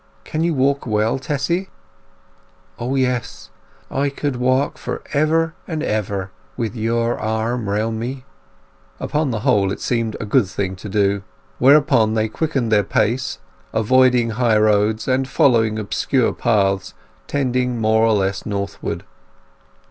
Can you walk well, Tessy?" "O yes! I could walk for ever and ever with your arm round me!" Upon the whole it seemed a good thing to do. Thereupon they quickened their pace, avoiding high roads, and following obscure paths tending more or less northward.